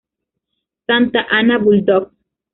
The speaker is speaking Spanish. Santa Ana Bulldogs